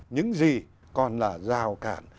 những gì còn là rào cản